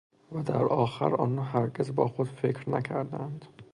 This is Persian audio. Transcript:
و در آخر آنها هرگز با خود فکر نکرده اند